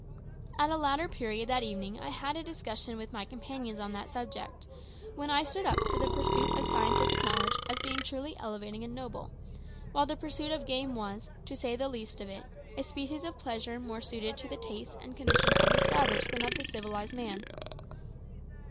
At a later period that evening I had a discussion with my companions on that subject, when I stood up for the pursuit of scientific knowledge as being truly elevating and noble, while the pursuit of game was, to say the least of it, a species of pleasure more suited to the tastes and condition of the savage than of the civilised man.